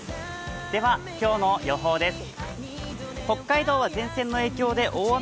では、今日の予報です。